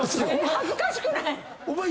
恥ずかしくない⁉お前